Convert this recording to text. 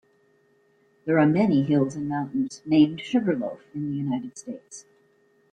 There are many hills and mountains named "Sugar Loaf" in the United States.